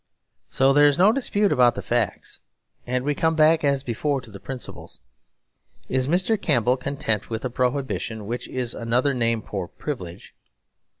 So there is no dispute about the facts; and we come back as before to the principles. Is Mr. Campbell content with a Prohibition which is another name for Privilege?